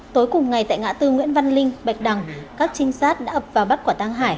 tối cùng ngày tại ngã tư nguyễn văn linh bạch đằng các trinh sát đã ập vào bắt quả tăng hải